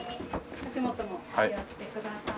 足元もお気をつけください。